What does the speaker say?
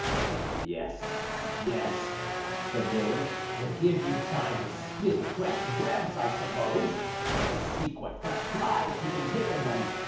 "Yes, yes," said William, "to give you time to spin fresh webs, I suppose, and to seek what fresh flies you can take in them?